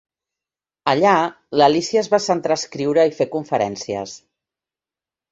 Allà, l'Alícia es va centrar a escriure i fer conferències.